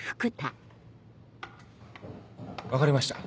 分かりました